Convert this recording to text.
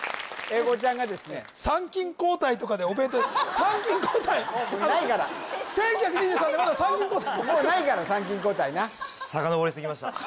英孝ちゃんがですね参勤交代とかでお弁当参勤交代ないから１９２３年まだ参勤交代もうないから参勤交代なさかのぼりすぎました